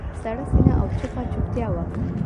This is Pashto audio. سړه سینه او چپه چوپتیا وه.